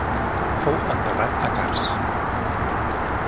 Fou enterrat a Kars.